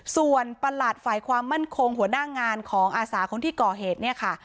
ส่วนประหลัดฝ่ายความมั่นคงหัวหน้างานของอาสาคนที่ก่อเหตุเนี่ยค่ะ